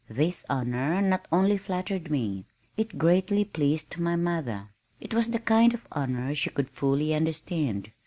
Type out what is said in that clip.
This honor not only flattered me, it greatly pleased my mother. It was the kind of honor she could fully understand.